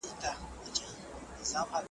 کله لس کله مو سل په یوه آن مري